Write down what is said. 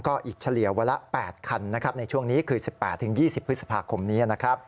ก็อีกเฉลี่ยวันละ๘คันในช่วงนี้คือ๑๘๒๐พฤษภาคมนี้นะครับ